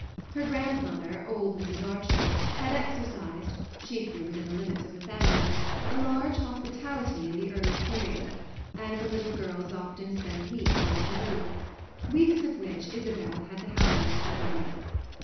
Her grandmother, old Mrs. Archer, had exercised, chiefly within the limits of the family, a large hospitality in the early period, and the little girls often spent weeks under her roof weeks of which Isabel had the happiest memory.